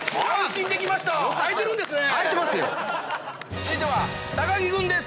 続いては木君です。